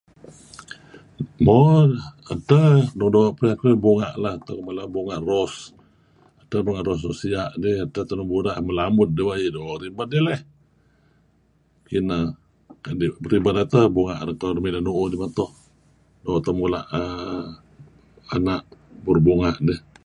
Mo edtah nuk doo' piyan keduih bunga' ros. Edtah teh bunga' ros suk sia' dih edtah teh nuk buda' melamud diweh doo' ribed dih leh. Kineh kadi' ribed ayu' teh bunga' renga' narih mileh nu'uh dih meto' doo' teh mula' err ena' burur bunga' dih.